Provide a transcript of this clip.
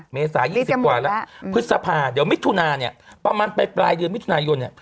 เมษา๒๐กว่าแล้วพฤษภาเดี๋ยวมิถุนาเนี่ยประมาณไปปลายเดือนมิถุนายนเนี่ย